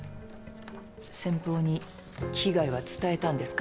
先方に被害は伝えたんですか？